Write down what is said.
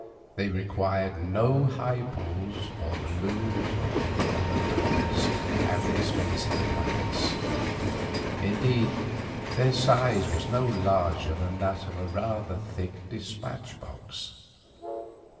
They required no high poles, or balloons, or any other cumbrous and expensive appliance; indeed, their size was no larger than that of a rather thick despatch box.